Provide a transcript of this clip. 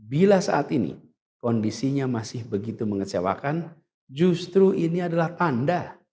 bila saat ini kondisinya masih begitu mengecewakan justru ini adalah tanda